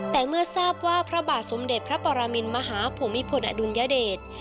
แต่เมื่อทราบว่าพระบาทสมเด็จพระปรมินมหาภูมิพลอดุลยเดช